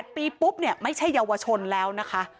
๘ปีปุ๊บเนี่ยไม่ใช่เยาวชนแล้วนะคะ